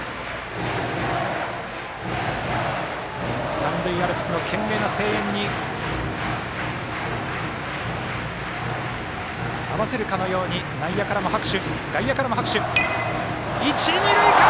三塁アルプスの懸命な声援に合わせるかのように外野からも拍手！